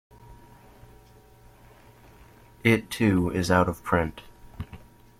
It too is out of print.